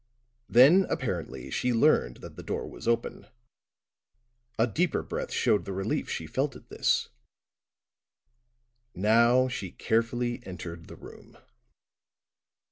Then, apparently, she learned that the door was open; a deeper breath showed the relief she felt at this; now she carefully entered the room.